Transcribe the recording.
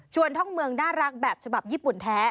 ท่องเมืองน่ารักแบบฉบับญี่ปุ่นแท้